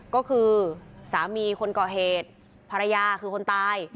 ก็คือสามีคนก่อเหตุภรรยาคือคนตาย